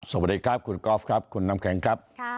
สวัสดีครับคุณกอล์ฟครับคุณน้ำแข็งครับ